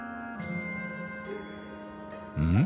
うん？